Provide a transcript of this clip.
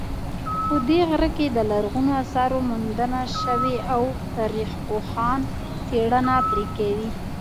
په دې غره کې د لرغونو آثارو موندنه شوې او تاریخپوهان څېړنه پرې کوي